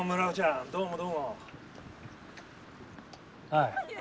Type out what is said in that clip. はい。